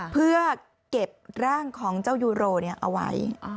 เพื่อเก็บร่างของเจ้ายูโรเอาไว้